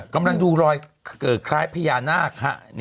กำลังดูรอยคล้ายพญานาค